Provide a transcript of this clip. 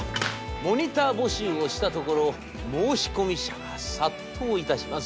モニター募集をしたところ申し込み者が殺到いたします。